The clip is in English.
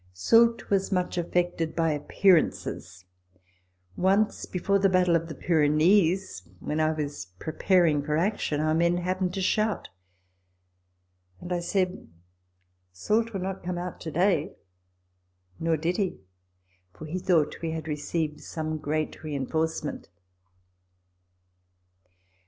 Soult was much affected by appearances. Once, before the battle of the Pyrenees, when I was pre paring for action, our men happened to shout, and I said, " Soult will not come out to day." Nor did he ; for he thought we had received some great reinforcement.